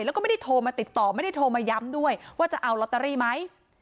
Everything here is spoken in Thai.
แล้วก็ไม่ได้โทรมาติดต่อไม่ได้โทรมาย้ำด้วยว่าจะเอาลอตเตอรี่ไหม